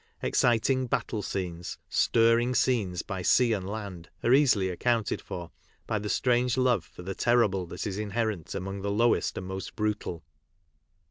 Exciting battle pieces, stirring scenes by sea and land, are easily accounted for by the strange love for the terrible that is inherent amono the lowest and most brutal.